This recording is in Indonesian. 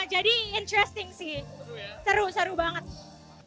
jadi interesting sih seru seru banget